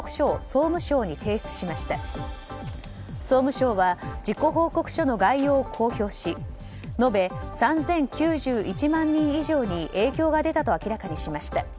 総務省は、事故報告書の概要を公表し延べ３０９１万人に影響が出たと明らかにしました。